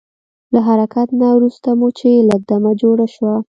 له حرکت نه وروسته مو چې لږ دمه جوړه شوه.